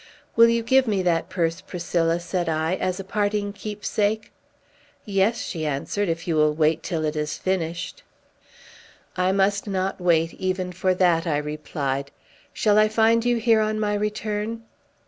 "Will you give me that purse, Priscilla," said I, "as a parting keepsake?" "Yes," she answered, "if you will wait till it is finished." "I must not wait, even for that," I replied. "Shall I find you here, on my return?"